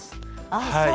ああそう。